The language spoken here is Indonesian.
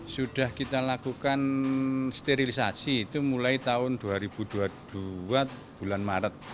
sudah kita lakukan sterilisasi itu mulai tahun dua ribu dua puluh dua bulan maret